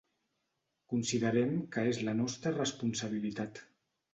Considerem que és la nostra responsabilitat.